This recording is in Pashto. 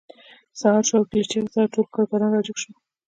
سهار شو او له چیغې سره ټول کارګران راجګ شول